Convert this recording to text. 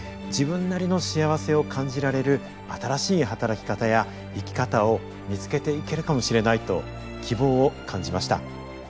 自分なりの幸せを感じられる新しい働き方や生き方を見つけていけるかもしれないと希望を感じました。